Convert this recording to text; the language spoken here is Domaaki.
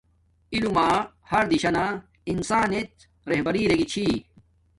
علما ہر دشانا انسان نڅ رہبری ارے گی چھِی